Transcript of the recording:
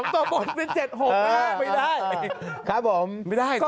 ๒ตัวบนเป็น๗๖ไม่ได้